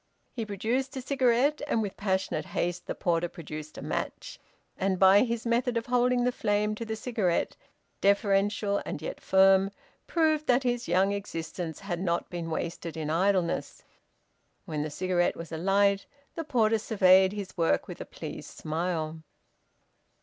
He produced a cigarette, and with passionate haste the porter produced a match, and by his method of holding the flame to the cigarette, deferential and yet firm, proved that his young existence had not been wasted in idleness. When the cigarette was alight, the porter surveyed his work with a pleased smile.